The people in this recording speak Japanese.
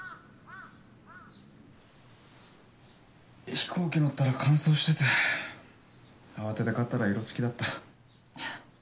飛行機乗ったら乾燥してて慌てて買ったら色つきだった。